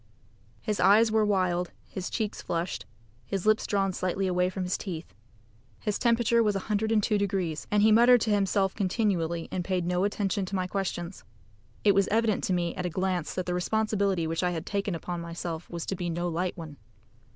His eyes were wild, his cheeks flushed, his lips drawn slightly away from his teeth. His temperature was 102 deg., and he muttered to himself continually, and paid no attention to my questions. It was evident to me at a glance that the responsibility which I had taken upon myself was to be no light one.